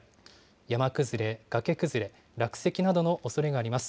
山崩れ、崖崩れ、落石などのおそれがあります。